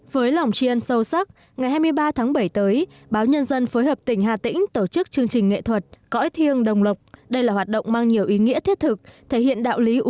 với lòng tri ân sâu sắc ngày hai mươi ba tháng bảy tới báo nhân dân phối hợp tỉnh hà tĩnh tổ chức chương trình nghệ thuật